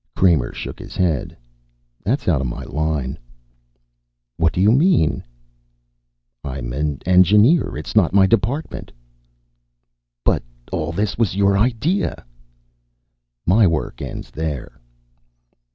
Kramer shook his head. "That's out of my line." "What do you mean?" "I'm an engineer. It's not in my department." "But all this was your idea." "My work ends there."